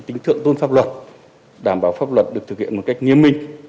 tính thượng tôn pháp luật đảm bảo pháp luật được thực hiện một cách nghiêm minh